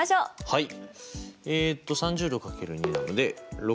はい。